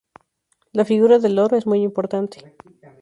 La figura del loro es muy importante.